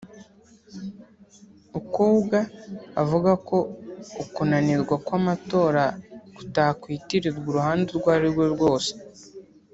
Ikounga avuga ko ukunanirwa kw’amatora kutakwitirirwa uruhande urwo ari rwo rwose